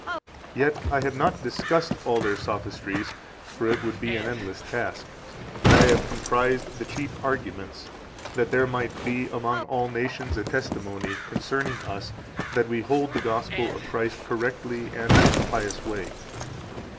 15 Yet I have not discussed all their sophistries, for it would be an endless task; but I have comprised the chief arguments, that there might be among all nations a testimony concerning us that we hold the Gospel 16 of Christ correctly and in a pious way.